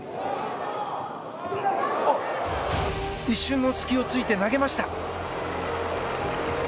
一瞬の隙を突いて投げました。